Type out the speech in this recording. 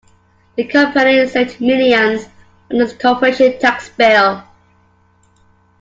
The company saved millions on its corporation tax bill.